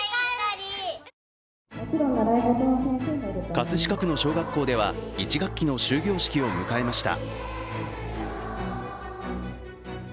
葛飾区の小学校では、１学期の終業式を迎えました。